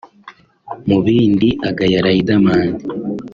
Mu bindi agaya Riderman